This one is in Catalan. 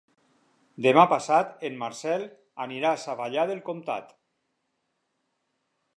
Demà passat en Marcel anirà a Savallà del Comtat.